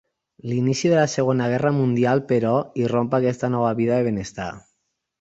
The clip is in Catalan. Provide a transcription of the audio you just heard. L'inici de la Segona Guerra Mundial però, irromp aquesta nova vida de benestar.